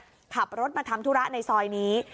ก็ขับรถมาทำธุระในซอยนี้